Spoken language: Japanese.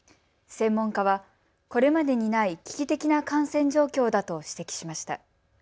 専門家はこれまでにない危機的な感染状況だと指摘しました。